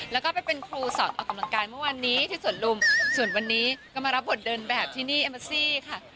แล้วก็ไปเป็นครูสอนออกกำลังกายเมื่อวานนี้ที่สวนลุมส่วนวันนี้ก็มารับบทเดินแบบที่นี่เอเมซี่ค่ะ